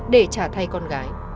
để trả thay con gái